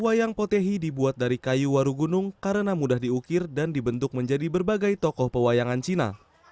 wayang potehi dibuat dari kayu waru gunung karena mudah diukir dan dibentuk menjadi berbagai tokoh pewayangan cina